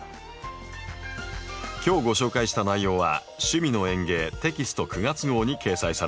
今日ご紹介した内容は「趣味の園芸」テキスト９月号に掲載されています。